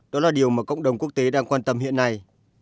đó là điều mà cộng đồng quốc tế đang quan tâm hiện nay